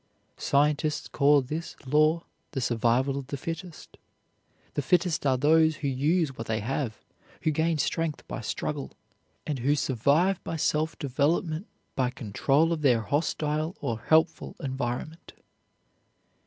Scientists call this law the survival of the fittest. The fittest are those who use what they have, who gain strength by struggle, and who survive by self development by control of their hostile or helpful environment.